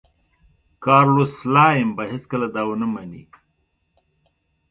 کارلوس سلایم به هېڅکله دا ونه مني.